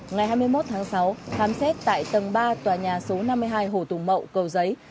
ngày hai mươi một tháng sáu khám xét tại tầng ba tòa nhà số năm mươi hai hồ tùng mậu cầu giấy